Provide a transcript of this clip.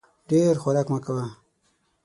ډېر خوراک مه کوه !